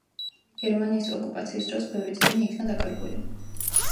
გერმანიის ოკუპაციის დროს ბევრი წიგნი იქნა დაკარგული.